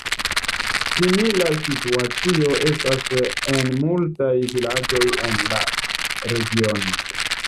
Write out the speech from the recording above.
Simila situacio estas en multaj vilaĝoj en la regiono.